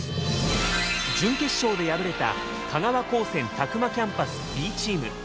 準決勝で敗れた香川高専詫間キャンパスＢチーム。